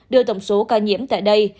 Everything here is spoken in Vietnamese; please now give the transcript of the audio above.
đưa tổng số ca nhiễm tại đây